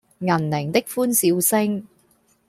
銀鈴的歡笑聲